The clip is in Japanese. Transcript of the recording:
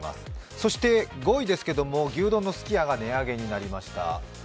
そして５位ですけれども牛丼のすき家が値上げになりました。